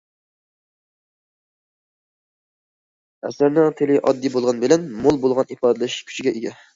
ئەسەرنىڭ تىلى ئاددىي بولغان بىلەن، مول بولغان ئىپادىلەش كۈچىگە ئىگە.